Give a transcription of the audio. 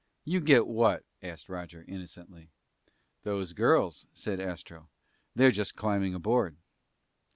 "You get what?" asked Roger innocently. "Those girls," said Astro. "They're just climbing aboard."